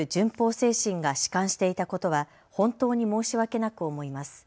精神がしかんしていたことは本当に申し訳なく思います。